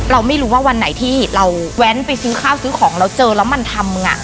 เราไม่รู้ว่าวันไหนที่เราแว้นไปซื้อข้าวซื้อของแล้วเจอแล้วมันทำมึง